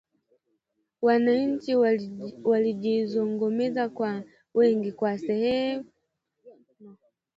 Wananchi walijizongomeza kwa wingi sana sehemu walikokuwa wanasiasa